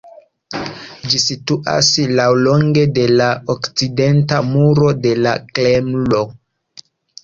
Ĝi situas laŭlonge de la okcidenta muro de la Kremlo.